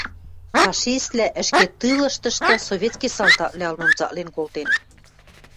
Фашиствлӓ, ӹшке тылыштышты советский салтаквлӓ ылмым цаклен колтен